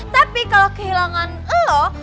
tapi kalau kehilangan lo